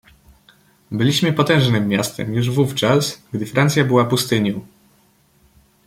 "Byliśmy potężnem miastem już wówczas, gdy Francja była pustynią."